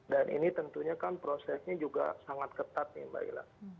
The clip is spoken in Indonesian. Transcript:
dan ini tentunya kan prosesnya juga sangat ketat nih mbak ila